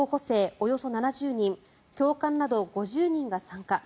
およそ７０人教官など５０人が参加。